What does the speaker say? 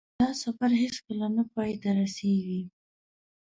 دا سفر هېڅکله نه پای ته رسېږي.